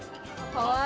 かわいい！